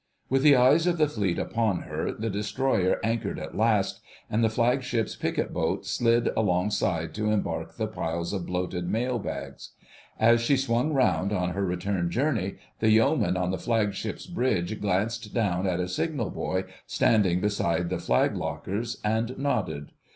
With the eyes of the Fleet upon her, the Destroyer anchored at last, and the Flagship's picket boat slid alongside to embark the piles of bloated mail bags. As she swung round on her return journey the Yeoman on the Flagship's bridge glanced down at a signal boy standing beside the flag lockers, and nodded.